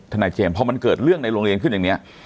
ทนายเจมส์พอมันเกิดเรื่องในโรงเรียนขึ้นอย่างนี้